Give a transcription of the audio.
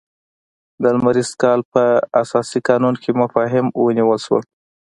د لمریز کال په اساسي قانون کې مفاهیم ونیول شول.